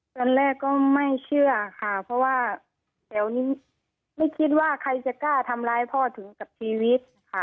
ตอนแรกก็ไม่เชื่อค่ะเพราะว่าแถวนี้ไม่คิดว่าใครจะกล้าทำร้ายพ่อถึงกับชีวิตนะคะ